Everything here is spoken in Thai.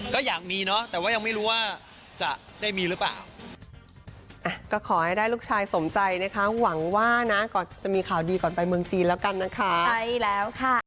ก็อยากมีเนอะแต่ว่ายังไม่รู้ว่าจะได้มีหรือเปล่า